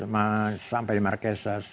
ya sampai marquesas